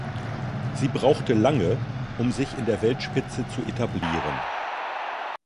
Sie brauchte lange, um sich in der Weltspitze zu etablieren.